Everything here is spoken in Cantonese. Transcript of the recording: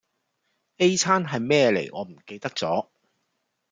A 餐係咩嚟我唔記得咗